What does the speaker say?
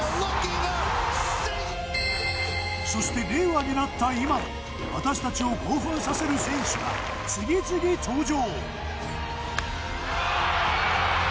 そして令和になった今も私たちを興奮させる選手が次々登場！